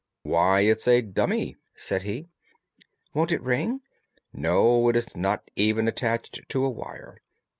"Why, it's a dummy," said he. "Won't it ring?" "No, it is not even attached to a wire.